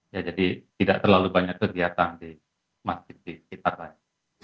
ya jadi tidak terlalu banyak kegiatan di masjid di sekitar saya